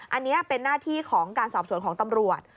อันนี้เป็นหน้าที่ของการสอบสวนของตำรวจ